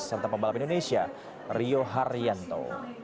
serta pembalap indonesia rio haryanto